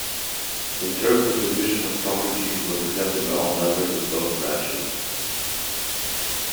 The terms of division of properties was accepted by all members of both branches.